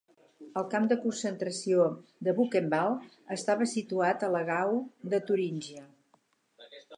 El camp de concentració de Buchenwald estava situat a la Gau de Turíngia.